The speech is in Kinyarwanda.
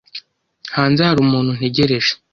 Hanze hari umuntu ntegereje.